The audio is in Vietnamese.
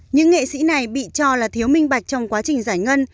những nghệ sĩ này bị cho là thiếu minh bạch trong quá trình giải ngân